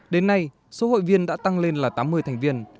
đến nay số hội viên đã tăng lên là tám mươi thành viên